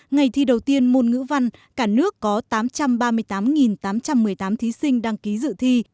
ngày thi đầu tiên môn ngữ văn cả nước có tám trăm ba mươi tám tám trăm một mươi tám thí sinh đăng ký dự thi